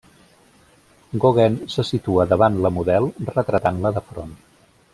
Gauguin se situa davant la model retratant-la de front.